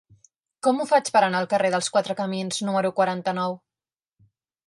Com ho faig per anar al carrer dels Quatre Camins número quaranta-nou?